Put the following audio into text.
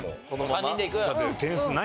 ３人でいく。